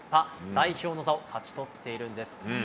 代表の座を勝ち取っているんです。